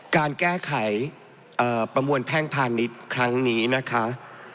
การแก้ไขประมวลแพ่งพาณิชย์ครั้งนี้นะคะ